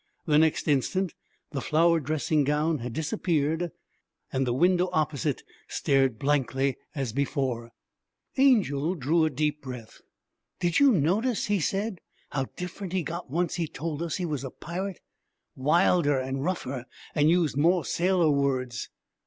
The next instant the flowered dressing gown had disappeared and the window opposite stared blankly as before. Angel drew a deep breath. 'Did you notice,' he said, 'how different he got once he had told us he was a pirate wilder and rougher, and used more sailor words?'